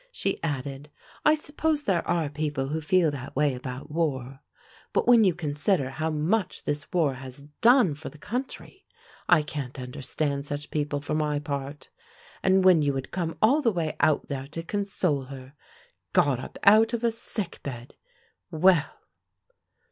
She added: "I suppose there are people who feel that way about war. But when you consider how much this war has done for the country! I can't understand such people, for my part. And when you had come all the way out there to console her got up out of a sick bed! Well!"